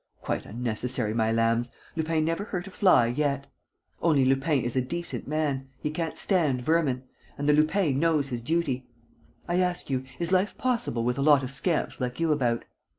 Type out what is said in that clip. Quite unnecessary, my lambs! Lupin never hurt a fly yet! ... Only, Lupin is a decent man, he can't stand vermin; and the Lupin knows his duty. I ask you, is life possible with a lot of scamps like you about?